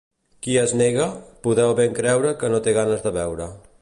Qui es nega, podeu ben creure que no té ganes de beure.